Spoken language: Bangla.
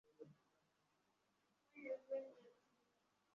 সরুন তো ছবি তুলতে দিন।